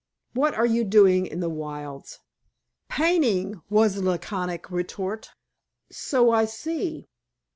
"What are you doing in the wilds?" "Painting," was the laconic retort. "So I see.